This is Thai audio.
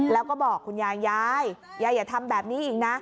แล้วก็บอกคุณยายยายยายอย่าทำแบบนี้อีกนะ